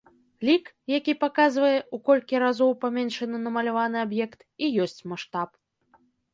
Лік, які паказвае, у колькі разоў паменшаны намаляваны аб'ект, і ёсць маштаб.